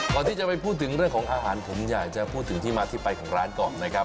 ก่อนที่จะไปพูดถึงเรื่องของอาหารผมอยากจะพูดถึงที่มาที่ไปของร้านก่อนนะครับ